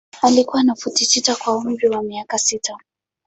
Alikuwa na futi sita kwa umri wa miaka sita.